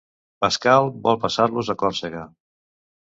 Pascal vol passar-los a Còrsega.